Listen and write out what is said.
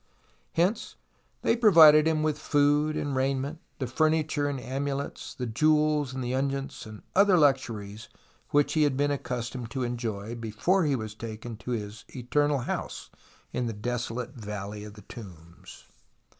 Hence they provided him with food and raiment, the furniture and amulets, the jewels and the unguents, and other luxuries which he had been accustomed to enjoy, before he was taken to his " eternal house " in the desolate Valley of the Tombs.